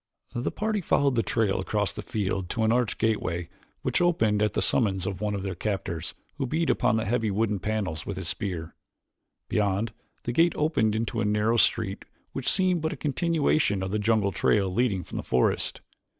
The party followed the trail across the field to an arched gateway which opened at the summons of one of their captors, who beat upon the heavy wooden panels with his spear. Beyond, the gate opened into a narrow street which seemed but a continuation of the jungle trail leading from the forest.